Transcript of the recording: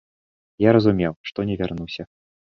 Я разумеў, што не вярнуся.